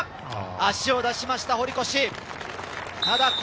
足を出しました堀越。